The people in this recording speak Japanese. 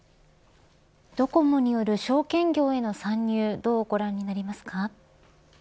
ドコモによる証券業への参入どうご覧になりますか。